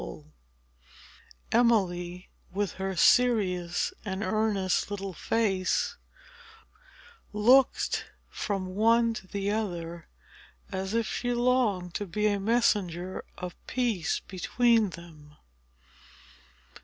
Emily, with her serious and earnest little face, looked from one to the other, as if she longed to be a messenger of peace between them.